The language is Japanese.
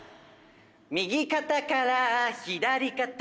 「右肩から左肩」